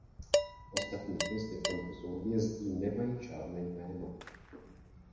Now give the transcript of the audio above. Ostatní hvězdy v tomto souhvězdí nemají žádné jméno.